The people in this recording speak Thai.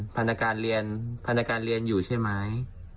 พนักงานเรียนพนักการเรียนอยู่ใช่ไหม